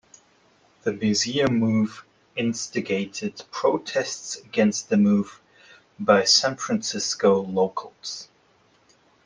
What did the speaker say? The museum move instigated protests against the move by San Francisco locals.